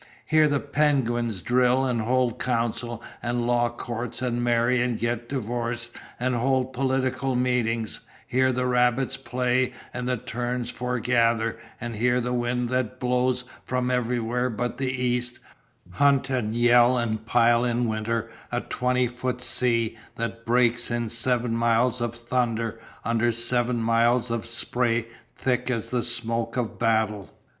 Here the penguins drill and hold councils and law courts and marry and get divorced and hold political meetings, here the rabbits play and the terns foregather, and here the winds that blow from everywhere but the east, hunt and yell and pile in winter a twenty foot sea that breaks in seven miles of thunder under seven miles of spray thick as the smoke of battle.